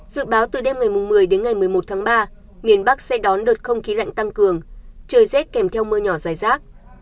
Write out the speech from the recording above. dự báo từ đêm ngày một mươi đến ngày một mươi một tháng ba miền bắc sẽ đón đợt không khí lạnh tăng cường trời rét kèm theo mưa nhỏ dài rác